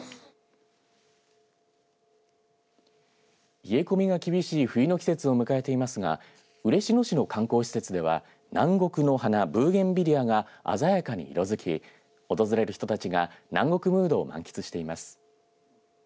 冷え込みの厳しい冬の季節を迎えていますが嬉野市の観光施設では南国の花ブーゲンビリアが鮮やかに色づき訪れる人たちが南国ムードを満喫しています。